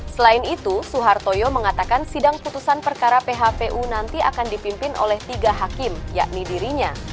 selain itu suhartoyo mengatakan sidang putusan perkara phpu nanti akan dipimpin oleh tiga hakim yakni dirinya